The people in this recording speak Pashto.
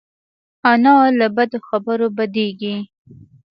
انا له بدو خبرو بدېږي